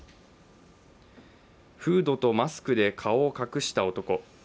フードとマスクで顔を隠した男。